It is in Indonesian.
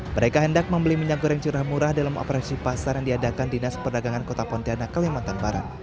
mereka hendak membeli minyak goreng curah murah dalam operasi pasar yang diadakan dinas perdagangan kota pontianak kalimantan barat